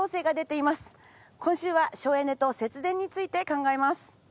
今週は省エネと節電について考えます。